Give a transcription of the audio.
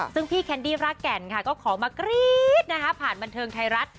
ซึ่งพี่แคนดี้รากแก่นค่ะก็ขอมากรี๊ดนะคะผ่านบันเทิงไทยรัฐ